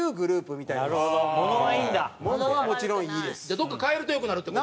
どこか変えると良くなるって事？